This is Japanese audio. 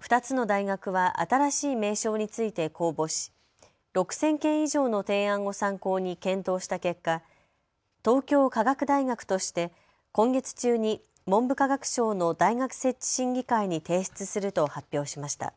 ２つの大学は新しい名称について公募し、６０００件以上の提案を参考に検討した結果東京科学大学として今月中に文部科学省の大学設置審議会に提出すると発表しました。